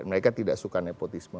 mereka tidak suka nepotisme